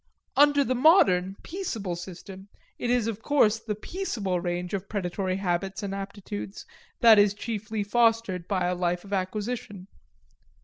Under the modern, peaceable system, it is of course the peaceable range of predatory habits and aptitudes that is chiefly fostered by a life of acquisition.